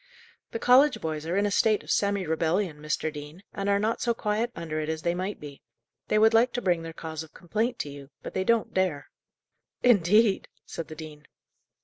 "The college boys are in a state of semi rebellion, Mr. Dean, and are not so quiet under it as they might be. They would like to bring their cause of complaint to you; but they don't dare." "Indeed!" said the dean.